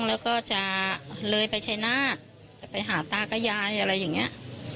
แล้วก็จะเลยไปชัยนาธจะไปหาตากับยายอะไรอย่างนี้